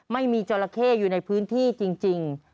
ไม่มีจราเข้อยู่ในพื้นที่จริง